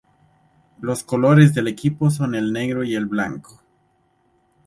Los colores del equipo son el negro y el blanco.